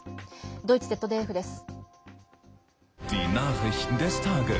ドイツＺＤＦです。